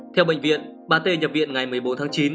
theo bệnh viện bà t nhập viện ngày một mươi bốn tháng chín